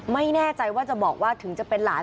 ไม่แน่ใจว่าจะบอกว่าถึงจะเป็นหลาน